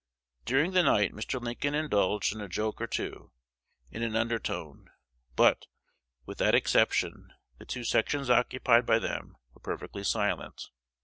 During the night Mr. Lincoln indulged in a joke or two, in an undertone; but, with that exception, the "two sections" occupied by them were perfectly silent.